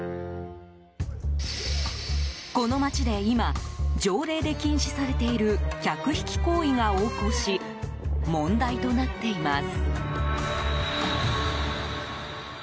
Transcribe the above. この街で今条例で禁止されている客引き行為が横行し問題となっています。